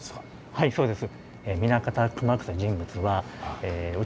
はいそうです。